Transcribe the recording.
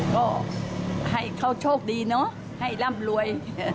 ก็ให้เขาโชคดีเนอะให้ร่ำรวย